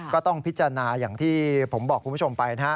ก็ต้องพิจารณาอย่างที่ผมบอกคุณผู้ชมไปนะฮะ